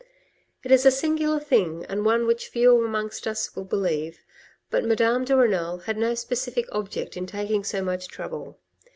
It is a singular thing, and one which few amongst us will believe, but Madame de Renal had no specific object in taking so much trouble.